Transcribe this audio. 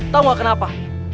tau gak kenapa